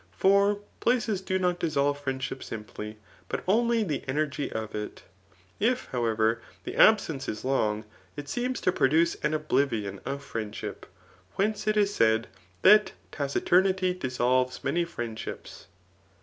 For places do not dissolve friendship simply, but only the energy of it. If, however, the ab sence is long, it seems to produce an oblivion of friend ship ; whence it is said, that taciturnity dissolves mamf friendships.